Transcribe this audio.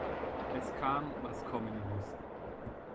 Es kam, was kommen musste.